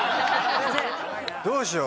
どうしよう？